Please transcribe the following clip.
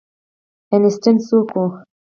آینسټاین څوک و؟